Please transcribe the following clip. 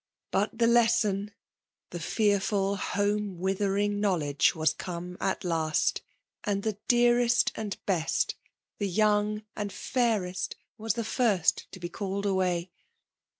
But the lesson — ^the fbarfiil home withering knowledge — ^was come at last ; and the dearest and best, — the young and fairest was the first to be called away.